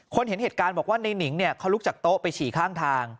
เห็นเหตุการณ์บอกว่าในนิงเนี่ยเขาลุกจากโต๊ะไปฉี่ข้างทาง